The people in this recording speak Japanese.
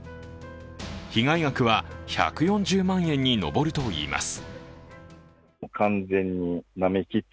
被害額は１４０万円に上るといいます。